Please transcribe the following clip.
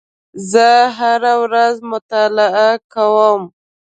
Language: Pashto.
زه هره ورځ مطالعه کوم.